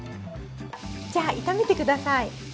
じゃあ炒めて下さい。